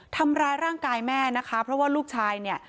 ทำร้ายร่างกายแม่นะคะเพราะว่าลูกชายเนี่ย